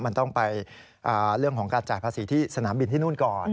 มันต้องไปเรื่องของการจ่ายภาษีที่สนามบินที่นู่นก่อน